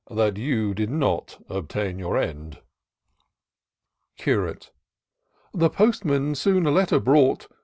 That you did not obtain your end." Curate. " The postman soon a letter brought.